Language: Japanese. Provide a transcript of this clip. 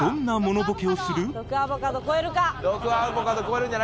毒アボカド超えるか？